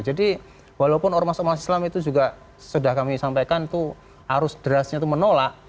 jadi walaupun ormas islam itu juga sudah kami sampaikan tuh arus derasnya tuh menolak